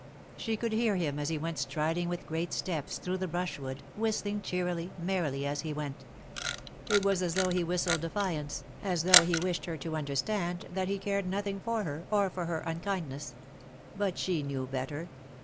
She could hear him as be went striding with great steps through the brushwood, whistling cheerily, merrily, as he went It was as though he whistled defiance, as though he wished her to understand that he cared nothing for her, or for hex uukindness. But she knew better.